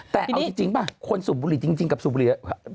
แต่เอาจริงป่ะคนสูบบุหรี่จริงกับสูบบุหรี่